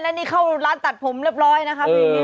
และนี่เข้าร้านตัดผมเรียบร้อยนะคะเพลงนี้